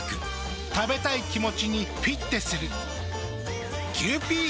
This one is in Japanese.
食べたい気持ちにフィッテする。